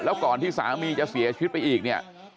แล้วก่อนที่สามีจะเสียชีวิตไปอีกเนี่ย